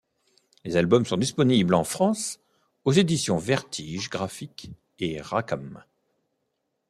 Les albums sont disponibles en France aux éditions Vertige Graphic et Rackham.